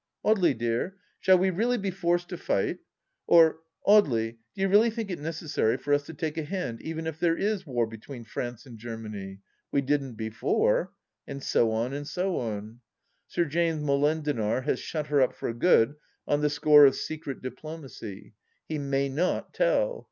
" Audely, dear, shall we really be forced to fight ?" or " Audely, do you really think it necessary for us to take a hand even if there is war between France and Germany ? We didn't before " and so on, and so on. Sir James Molendinar has shut her up for good on the score of secret diplomacy. He may not tell.